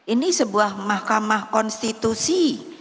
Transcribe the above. ini sebuah mahkamah konstitusi